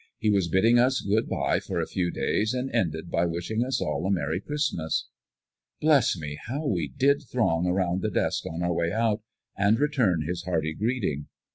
He was bidding us good bye for a few days, and ended by wishing us all a Merry Christmas. Bless me, how we did throng around the desk on our way out, and return his hearty greeting!